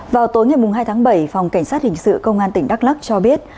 vào tối ngày hai tháng bảy phòng cảnh sát hình sự công an tỉnh đắk lắc cho biết